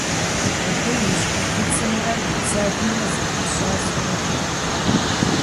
Абы и щхьэкуцӏымрэ и бзэгумрэ зэпыщӏа си гугъэкъым.